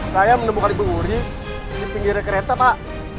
saya menemu kali ibu wuri di pinggir kereta pak